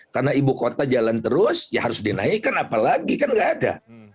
karena ibu kota jalan terus ya harus dinaikkan apalagi kan nggak ada